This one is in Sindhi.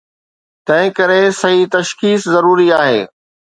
تنهن ڪري، صحيح تشخيص ضروري آهي.